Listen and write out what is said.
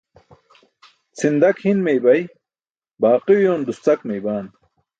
Cʰindak hin meeybay, baaqi uyoon duscak meeybaan.